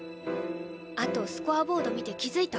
あとスコアボード見て気付いた？